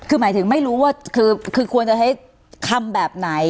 คือหมายถึงไม่รู้ว่าคือควรจะใช้คำแบบไหน